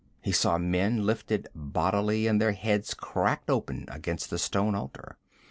He saw men lifted bodily and their heads cracked open against the stone altar.